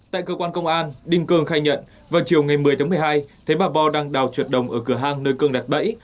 tại cơ quan công an đinh cương khai nhận vào chiều ngày một mươi tháng một mươi hai thấy bà bo đang đào trượt đồng ở cửa hang nơi cương đặt bẫy